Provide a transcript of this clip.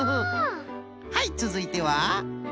はいつづいては。